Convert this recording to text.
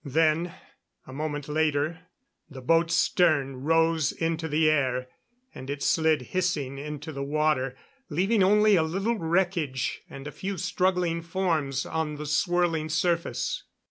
Then, a moment later, the boat's stern rose into the air, and it slid hissing into the water, leaving only a little wreckage and a few struggling forms on the swirling surface.